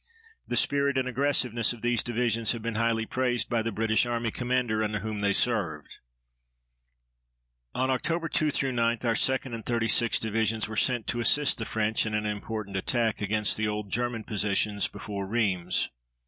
The spirit and aggressiveness of these divisions have been highly praised by the British Army commander under whom they served. On Oct. 2 9 our 2d and 36th Divisions were sent to assist the French in an important attack against the old German positions before Rheims.